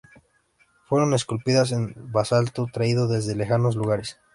Fueron esculpidas en basalto traído desde lejanos lugares.